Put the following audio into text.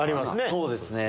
そうですね。